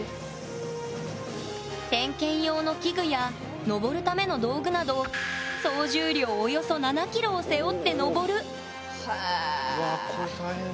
点検用の器具やのぼるための道具など総重量およそ７ｋｇを背負ってのぼるへえ。